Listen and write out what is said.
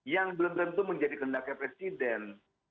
yang belum tentu menjadi kendaknya presiden